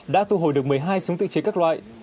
đã thu hồi được một mươi hai súng tự chế các loại